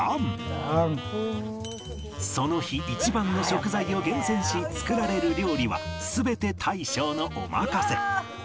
その日一番の食材を厳選し作られる料理は全て大将のお任せ